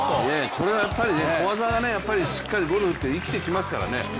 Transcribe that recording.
これはやっぱり小技がしっかりゴルフは生きてきますからね。